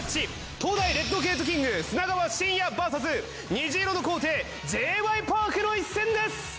東大レッドゲートキング砂川信哉バー虹色の皇帝Ｊ．Ｙ．Ｐａｒｋの一戦です。